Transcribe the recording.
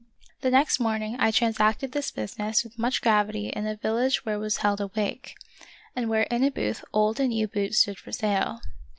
The next morning I transacted this busi ness with much gravity in a village where was held a wake, and where in a booth old and new boots stood for sale.